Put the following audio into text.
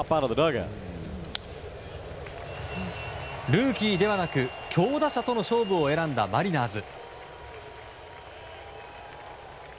ルーキーではなく、強打者との勝負を選んだマリナーズ。